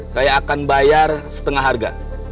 saya akan bayar setengah harga